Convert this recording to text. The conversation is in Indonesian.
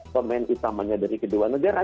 pemain utamanya dari kedua negara